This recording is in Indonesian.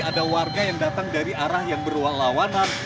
ada warga yang datang dari arah yang berwarlawanan